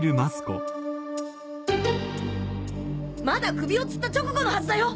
まだ首を吊った直後のはずだよ！